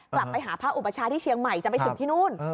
กลับไปหาพระอุปชาที่เชียงใหม่จะไปถึงที่นู่น